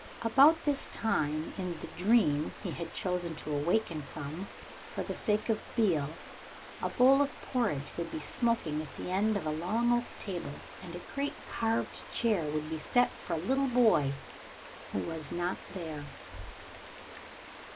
About this time, in the dream he had chosen to awaken from, for the sake of Beale, a bowl of porridge would be smoking at the end of a long oak table, and a great carved chair be set for a little boy who was not there.